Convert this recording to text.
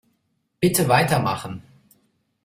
Bitte weitermachen.